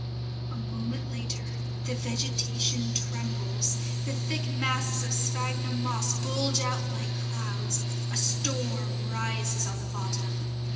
A moment later the vegetation trembles, the thick masses of sphagnum moss bulge out like clouds, a storm rises on the bottom.